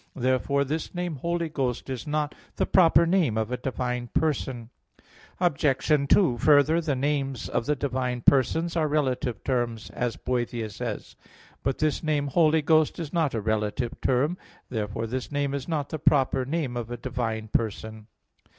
Therefore this name 'Holy Ghost' is not the proper name of a divine person. Obj. 2: Further, the names of the divine persons are relative terms, as Boethius says (De Trin.). But this name "Holy Ghost" is not a relative term. Therefore this name is not the proper name of a divine Person.